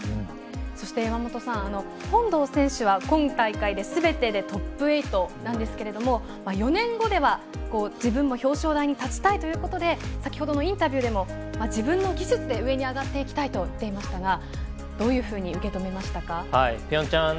そして山本さん本堂選手は今大会すべてでトップ８なんですが４年後は自分も表彰台に立ちたいということで先ほどのインタビューでも自分の技術で上に上がっていきたいと言っていましたがどういうふうに受け止めましたか。